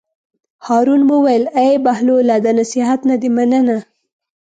هارون وویل: ای بهلوله د نصیحت نه دې مننه.